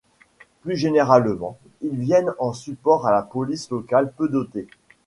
Plus généralement, ils viennent en support à la police locale, peu dotée.